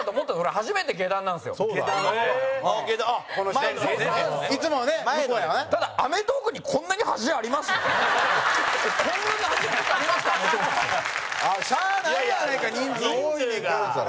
蛍原：しゃあないやないか人数、多いねんから。